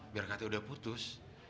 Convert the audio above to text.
biar kata udah putus